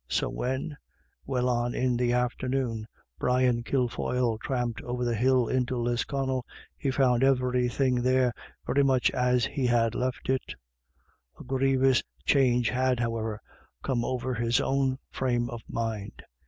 So when, well on in the afternoon, Brian Kilfoyle tramped over the hill 268 IRISH ID YLLS. into Lisconnel, he found everything there very much as he had left it. A grievous change had, however, come over his own frame of mind.